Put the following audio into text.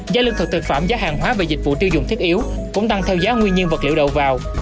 giá lương thực thực phẩm giá hàng hóa và dịch vụ tiêu dùng thiết yếu cũng tăng theo giá nguyên nhiên vật liệu đầu vào